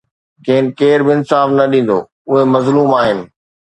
کين ڪير به انصاف نه ڏيندو، اهي مظلوم آهن